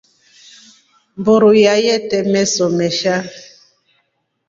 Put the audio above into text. Mburu iya yete meso mesha.